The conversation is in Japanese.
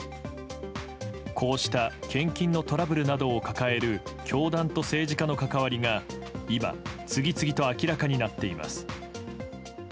こうした献金のトラブルなどを抱える教団と政治家の関わりが今、次々と明らかになっています。